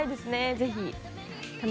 ぜひ。